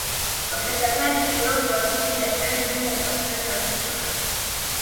Profesa Gadi Kilonzo wa Suji daktari bingwa wa upasuaji wa vichwa